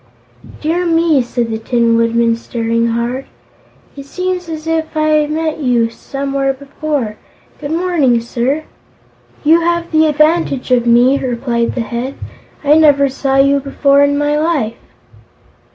"Dear me!" said the Tin Woodman, staring hard. "It seems as if I had met you, somewhere, before. Good morning, sir!" "You have the advantage of me," replied the Head. "I never saw you before in my life."